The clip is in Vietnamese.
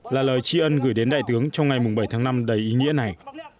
là lời tri ân gửi đến đại tướng trong ngày bảy tháng năm đầy ý nghĩa này